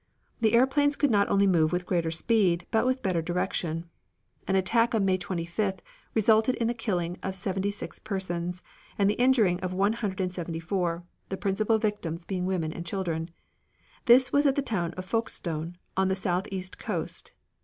The airplanes could not only move with greater speed but with better direction. An attack on May 25th resulted in the killing of seventy six persons and the injuring of one hundred and seventy four, the principal victims being women and children. This was at the town of Folkestone on the southeast coast.